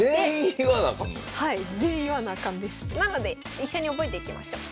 なので一緒に覚えていきましょう。